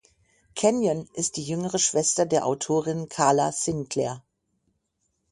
Canyon ist die jüngere Schwester der Autorin Carla Sinclair.